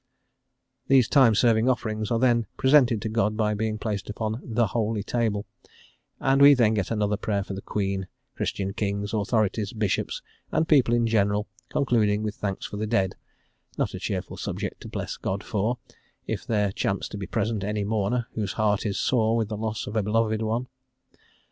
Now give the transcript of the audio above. These time serving offerings are then presented to God by being placed "upon the Holy Table," and we then get another prayer for Queen, Christian Kings, authorities, Bishops, and people in general, concluding with thanks for the dead, not a cheerful subject to bless God for, if there chance to be present any mourner whose heart is sore with the loss of a beloved one.